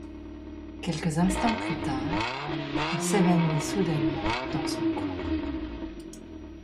Quelques instants plus tard, il s'évanouit soudainement dans son coin.